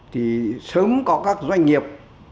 thì sớm có các doanh nghiệp